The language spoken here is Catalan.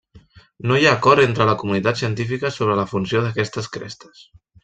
No hi ha acord entre la comunitat científica sobre la funció d'aquestes crestes.